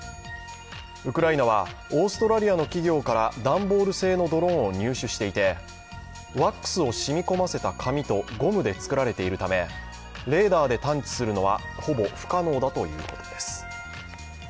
ウクライナはオーストラリアの企業から段ボール製のドローンを入手していてワックスを染み込ませた紙とゴムで作られているためレーダーで探知するのはほぼ不可能だということです。